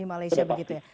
di malaysia begitu ya